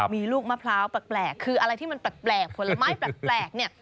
มีลูกมะพร้าวแปลกคืออะไรที่มันแปลกผลไม้แปลกเนี่ย